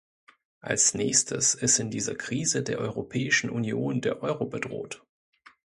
Als nächstes ist in dieser Krise der Europäischen Union der Euro bedroht.